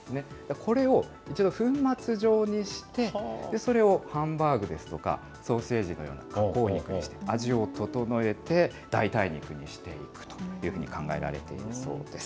これを、一度粉末状にして、それをハンバーグですとか、ソーセージのような加工肉にして、味をととのえて、代替肉にしていくというふうに考えられているそうです。